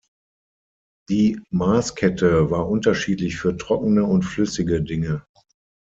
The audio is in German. Die Maßkette war unterschiedlich für trockene und flüssige Dinge.